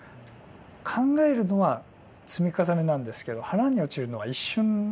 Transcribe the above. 考えるのは積み重ねなんですけど腹に落ちるのは一瞬なんですよね。